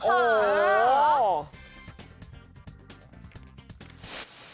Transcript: โอ้ว